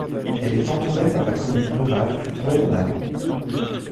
Elle est entourée par la commune rurale d'Oued Naam.